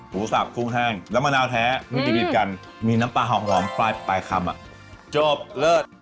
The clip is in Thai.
สับกุ้งแห้งแล้วมะนาวแท้มีดิบกันมีน้ำปลาหอมปลายคำจบเลิศ